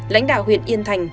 lãnh đạo huyện yên thành